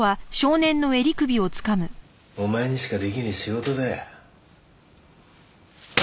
お前にしか出来ねえ仕事だよ。